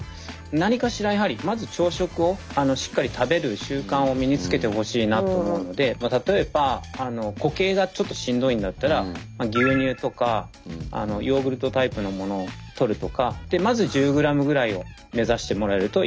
何かしらやはりまず朝食をしっかり食べる習慣を身につけてほしいなと思うので例えば固形がちょっとしんどいんだったら牛乳とかヨーグルトタイプのものをとるとかまず１０ｇぐらいを目指してもらえるといいかなと思います。